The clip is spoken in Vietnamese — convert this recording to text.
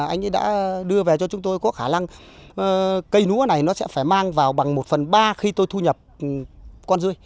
anh ấy đã đưa về cho chúng tôi có khả năng cây lúa này nó sẽ phải mang vào bằng một phần ba khi tôi thu nhập con rươi